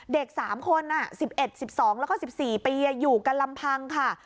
เด็ก๓คน๑๑๑๒แล้วก็๑๔ปีอยู่กันลำพังค่ะ